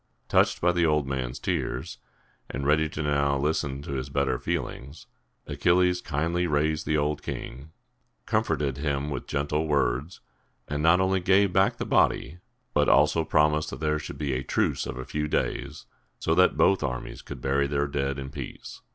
Touched by the old man's tears, and ready now to listen to his better feelings, Achilles kindly raised the old king, comforted him with gentle words, and not only gave back the body, but also promised that there should be a truce of a few days, so that both armies could bury their dead in peace.